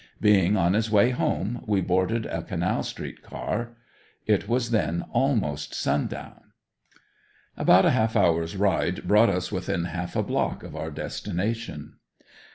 Being on his way home, we boarded a Canal street car. It was then almost sundown. About a half hour's ride brought us within half a block of our destination.